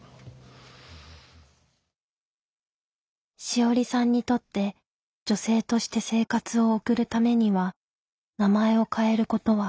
志織さんにとって女性として生活を送るためには名前を変えることは欠かせないことだった。